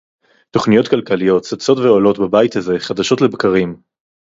תוכניות כלכליות צצות ועולות בבית הזה חדשות לבקרים